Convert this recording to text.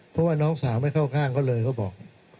เพราะว่าน้องสาวไม่เข้าข้างเขาเลยเขาบอก